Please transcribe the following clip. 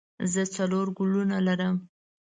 زه څلور ګلونه لرم.